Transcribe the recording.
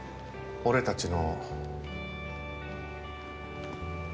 俺たちの？